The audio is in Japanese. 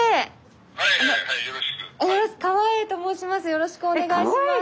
よろしくお願いします。